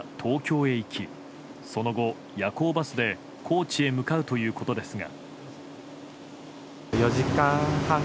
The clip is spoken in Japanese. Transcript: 福島から東京へ行きその後、夜行バスで高知へ向かうということですが。